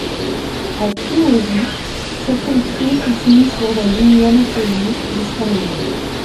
A Kyūhōji, certains trains continuent sur la ligne Yamatoji jusqu'à Nara.